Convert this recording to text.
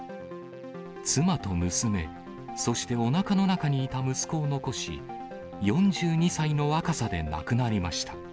妻と娘、そしておなかの中にいた息子を残し、４２歳の若さで亡くなりました。